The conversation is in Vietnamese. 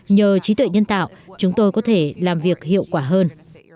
nhờ trí tuệ nhân tạo chúng tôi có thể làm việc hiệu quả hơn